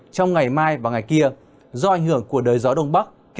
trong ngày mai và ngày kia do ảnh hưởng của đới gió đông bắc